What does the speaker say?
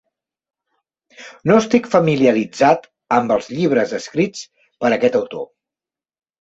No estic familiaritzat amb els llibres escrits per aquest autor.